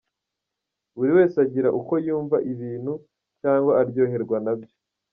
Buri wese agira uko yumva aibintu cyangwa aryoherwa nabyo.